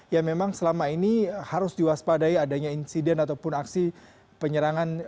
yang memang selama ini harus diwaspadai adanya insiden ataupun aksi penyerangan